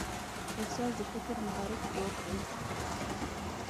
احساس د فکر محرک ځواک دی.